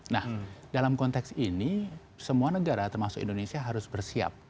nah dalam konteks ini semua negara termasuk indonesia harus bersiap